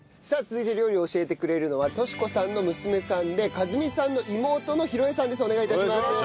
さあ続いて料理を教えてくれるのは敏子さんの娘さんで和美さんの妹の宏恵さんです。